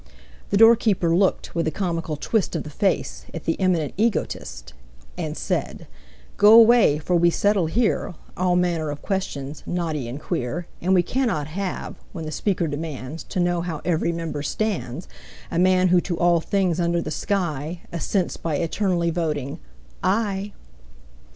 The doorkeeper looked, with a comical twist Of the face, at the eminent egotist, And said: "Go away, for we settle here All manner of questions, knotty and queer, And we cannot have, when the speaker demands To know how every member stands, A man who to all things under the sky Assents by eternally voting 'I.'"